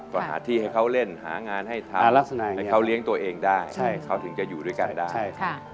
ก็หาที่ให้เขาเล่นหางานให้ทำลักษณะให้เขาเลี้ยงตัวเองได้เขาถึงจะอยู่ด้วยกันได้ใช่ค่ะ